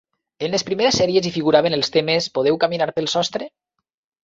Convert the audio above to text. En les primeres sèries, hi figuraven els temes: "Podeu caminar pel sostre?"